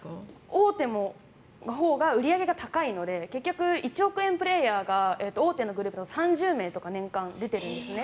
大手のほうが売り上げが高いので１億円プレーヤーが大手のグループだと３０名とか年間出ているんですね。